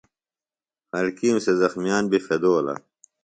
خلکِیم سےۡ زخمِیان بیۡ پھیدولہ۔